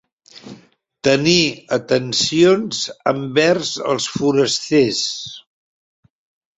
Tenir atencions envers els forasters.